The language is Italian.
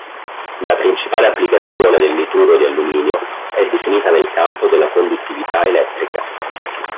La principale applicazione del nitruro di alluminio è definita nel campo della conduttività elettrica.